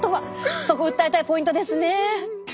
そこ訴えたいポイントですね。